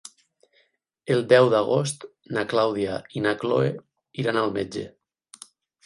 El deu d'agost na Clàudia i na Cloè iran al metge.